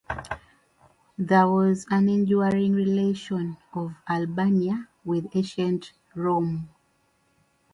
There was an enduring relation of Albania with Ancient Rome.